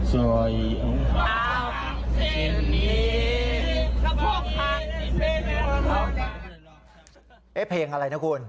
เพลงอะไรนะคุณ